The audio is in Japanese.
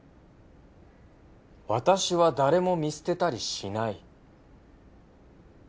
私は誰も見捨てたりしない。